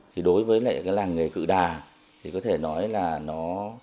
thì đối với lại cái làng nghề cự đà thì có thể nói là nó